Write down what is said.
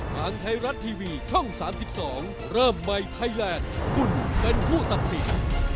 ทางไทยรัฐทีวีช่อง๓๒เริ่มใหม่ไทยแลนด์คุณเป็นผู้ตัดสิน